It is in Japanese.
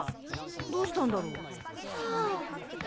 どうしたんだろう？さあ？